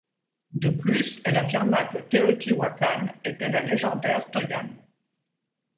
De plus, elle affirma que Teotihuacán était la légendaire Tollan.